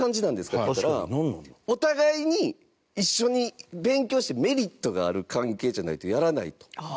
っていったらお互いに一緒に勉強してメリットがある関係じゃないとやらないと。